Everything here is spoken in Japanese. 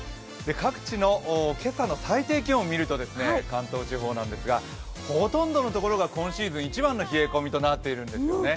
各地の今朝の最低気温を見ると関東地方なんですが、ほとんどの所が今シーズン一番の冷え込みとなっているんですよね。